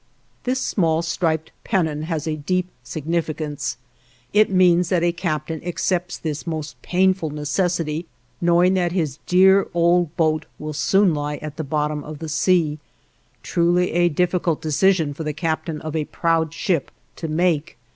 This small striped pennon has a deep significance: it means that a captain accepts this most painful necessity knowing that his dear old boat will soon lie at the bottom of the sea; truly a difficult decision for the captain of a proud ship to make.